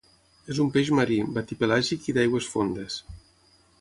És un peix marí, batipelàgic i d'aigües fondes.